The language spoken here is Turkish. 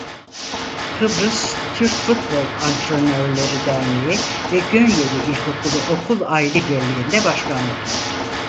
Kıbrıs Türk Futbol Antrenörleri Derneği ve Gönyeli İlkokulu Okul Aile Birliği'nde başkanlık yaptı.